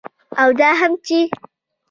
او دا هم چې